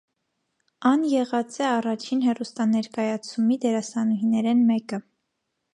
Ան եղած է առաջին հեռուստաներկայացումի դերասանուհիներէն մէկը։